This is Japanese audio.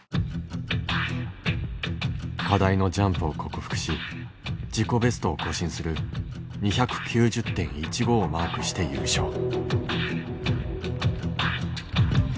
課題のジャンプを克服し自己ベストを更新する２９０．１５をマークして優勝。